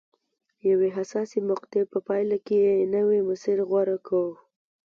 د یوې حساسې مقطعې په پایله کې یې نوی مسیر غوره کړ.